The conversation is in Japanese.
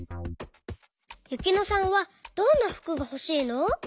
ゆきのさんはどんなふくがほしいの？